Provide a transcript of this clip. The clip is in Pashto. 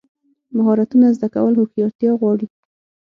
مهارتونه زده کول هوښیارتیا غواړي.